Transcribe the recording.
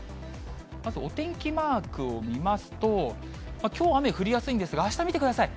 まずお天気マークを見ますと、きょう、雨降りやすいんですが、あした見てください。